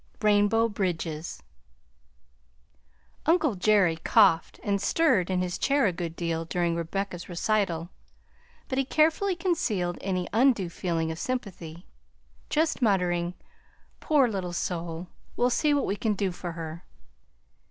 X RAINBOW BRIDGES Uncle Jerry coughed and stirred in his chair a good deal during Rebecca's recital, but he carefully concealed any undue feeling of sympathy, just muttering, "Poor little soul! We'll see what we can do for her!"